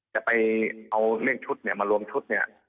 จะไปเอาเรื่องชุดเนี่ยมารวมชุดเนี่ย